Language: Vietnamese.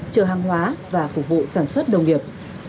chờ hàng hóa và phục vụ sản xuất đồng nghiệp